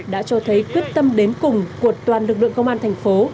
đã cho thấy quyết tâm đến cùng của toàn lực lượng công an thành phố